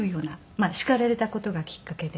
まあ叱られた事がきっかけで。